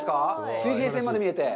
水平線まで見えて。